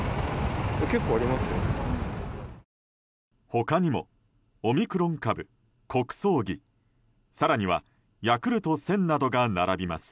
他にもオミクロン株、国葬儀更には、ヤクルト１０００などが並びます。